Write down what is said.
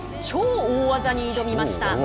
超大技に挑みました。